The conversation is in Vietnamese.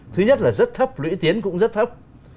thứ nhất là rất thấp lũy tiến cũng rất thấp